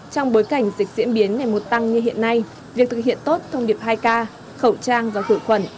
trong bối cảnh dịch diễn biến ngày một tăng như hiện nay việc thực hiện tốt thông điệp hai k khẩu trang và khử khuẩn